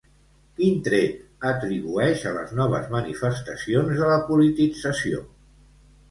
Quin tret atribueix a les noves manifestacions de la politització?